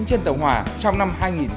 trên tàu hòa trong năm hai nghìn một mươi năm